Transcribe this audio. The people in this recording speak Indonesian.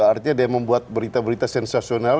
artinya dia membuat berita berita sensasional